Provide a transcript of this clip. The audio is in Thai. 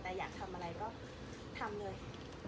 แต่อยากทำอะไรก็ทำเลย